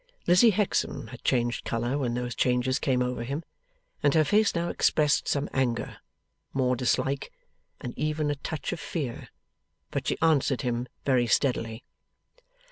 Lizzie Hexam had changed colour when those changes came over him, and her face now expressed some anger, more dislike, and even a touch of fear. But she answered him very steadily.